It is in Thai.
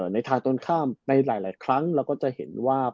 ในทางตรงข้ามในหลายครั้งเราก็จะเห็นว่า